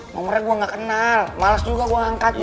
ngomongnya gua gak kenal males juga gua angkatnya